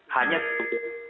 hanya tujuh bulan